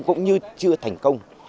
cũng như chưa thành công